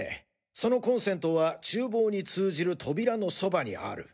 そのコンセントは厨房に通じる扉のそばにある。